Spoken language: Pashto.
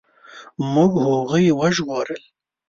موږ هغوی وژغورل.